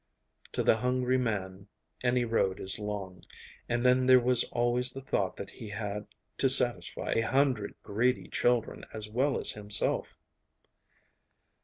To the hungry man any road is long, and then there was always the thought that he had to satisfy a hundred greedy children as well as himself.